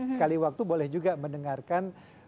sekali waktu boleh juga mendengarkan